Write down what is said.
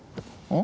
ん？